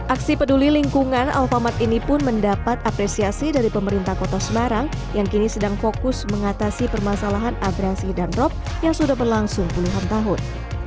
aksi peduli lingkungan alphamart ini pun mendapat apresiasi dari pemerintah kota semarang yang kini sedang fokus mengatasi permasalahan abrasi dan rop yang sudah berlangsung puluhan tahun